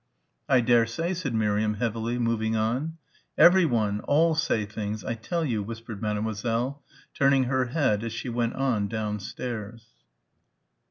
"I dare say," said Miriam heavily, moving on. "Everyone, all say things, I tell you," whispered Mademoiselle turning her head as she went on downstairs.